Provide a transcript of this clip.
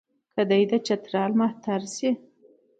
که دی د چترال مهتر شي.